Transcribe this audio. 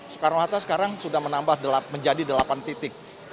sekarang sudah menambah menjadi delapan titik